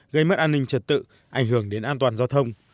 gây mất an ninh trật tự ảnh hưởng đến an toàn giao thông